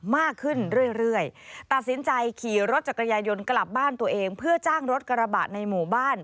มากขึ้นเรื่อยตัดสินใจขี่รถจักรยายนกลับบ้านตัวเองเพื่อจ้างรถกระบะในหมู่บ้าน